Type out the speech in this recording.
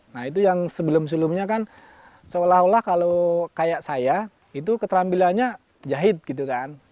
nah itu yang sebelum sebelumnya kan seolah olah kalau kayak saya keterampilannya jahit hell